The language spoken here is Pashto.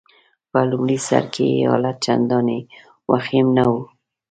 په لمړي سر کي يې حالت چنداني وخیم نه وو.